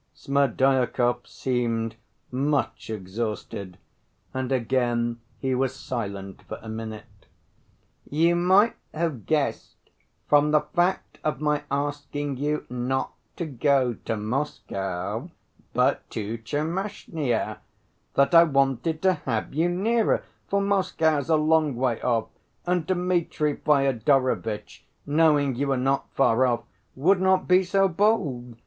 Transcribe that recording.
Smerdyakov seemed much exhausted, and again he was silent for a minute. "You might have guessed from the fact of my asking you not to go to Moscow, but to Tchermashnya, that I wanted to have you nearer, for Moscow's a long way off, and Dmitri Fyodorovitch, knowing you are not far off, would not be so bold.